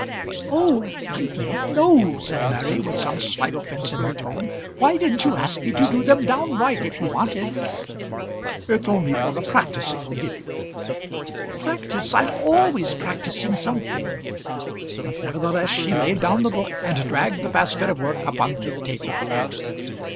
"Oh, I didn't know," said Mary, with some slight offence in her tone. "Why didn't you ask me to do them downright if you wanted?" "It's only for the practice it will give you." "Practice! I'm always practising something." But nevertheless she laid down the book, and dragged the basket of work up on to the table.